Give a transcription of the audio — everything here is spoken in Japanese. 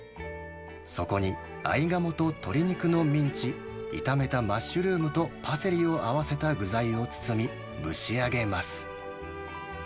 そこに、合鴨と鶏肉のミンチ、炒めたマッシュルームとパセリを合わせた具材を包み、蒸し上げます。